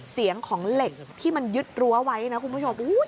เสียงของเหล็กที่มันยึดรั้วไว้นะคุณผู้ชม